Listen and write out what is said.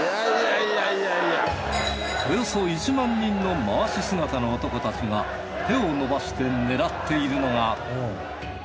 およそ１万人のまわし姿の男たちが手を伸ばして狙っているのが。